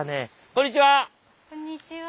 こんにちは。